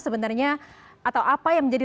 sebenarnya atau apa yang menjadi